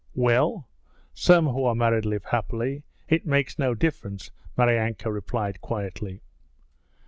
'Well? Some who are married live happily. It makes no difference!' Maryanka replied quietly.